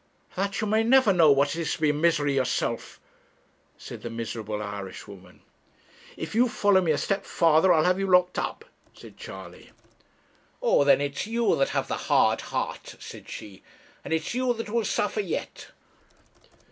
'That you may never know what it is to be in misery yourself!' said the miserable Irishwoman. 'If you follow me a step farther I'll have you locked up,' said Charley. 'Oh, then, it's you that have the hard heart,' said she; 'and it's you that will suffer yet.'